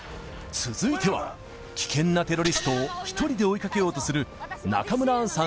続いては危険なテロリストを１人で追いかけようとする中村アンさん